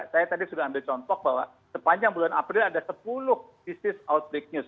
saya tadi sudah ambil contoh bahwa sepanjang bulan april ada sepuluh disease outbreak news